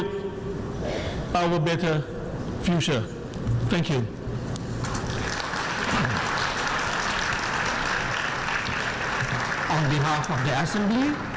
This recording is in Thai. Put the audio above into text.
ขอบคุณครับ